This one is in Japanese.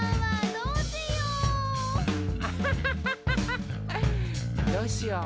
どうしよう？